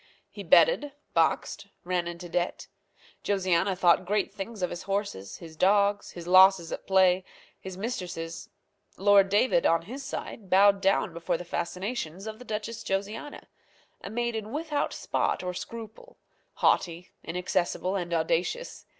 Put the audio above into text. He betted, boxed, ran into debt. Josiana thought great things of his horses, his dogs, his losses at play, his mistresses. Lord David, on his side, bowed down before the fascinations of the Duchess Josiana a maiden without spot or scruple, haughty, inaccessible, and audacious.